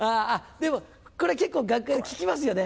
でもこれ結構楽屋で聞きますよね。